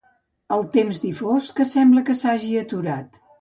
El temps difós, que sembla que s’hagi aturat.